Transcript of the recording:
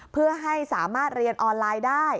เพื่อให้สามารถเรียนออนไลน์ได้